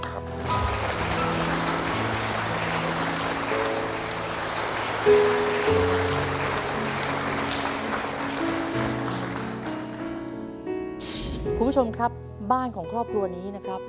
คุณผู้ชมครับบ้านของครอบครัวนี้นะครับ